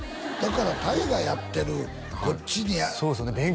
だから大河やってるこっちにそうですよね